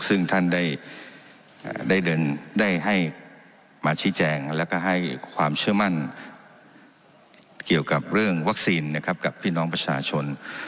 ซึ่งท่านได้เดินได้ให้มาชี้แจงแล้วก็ให้ความเชื่อมั่นเกี่ยวกับเรื่องวัคซีนนะครับกับพี่น้องประชาชน